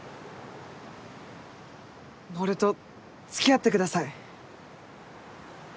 俺と付き合ってください。